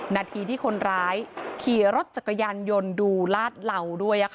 นาทีที่คนร้ายขี่รถจักรยานยนต์ดูลาดเหล่าด้วย